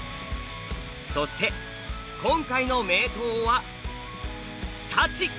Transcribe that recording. そして今回の名刀は太刀。